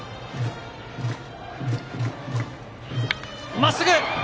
真っすぐ。